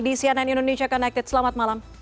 di cnn indonesia connected selamat malam